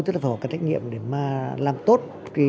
tất cả các trách nhiệm để mà làm tốt